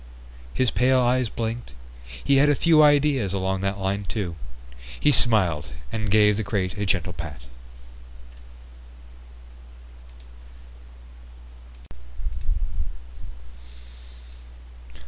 His pale eyes blinked. He had a few ideas along that line too. He smiled and gave the crate a gentle pat.